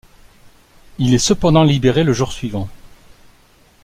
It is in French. Il est cependant libéré le jour suivant.